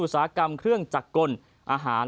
อุตสาหกรรมเครื่องจักรกลอาหาร